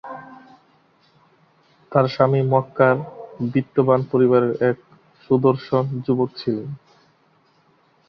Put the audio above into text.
তার স্বামী মক্কার বিত্তবান পরিবারের এক সুদর্শন যুবক ছিলেন।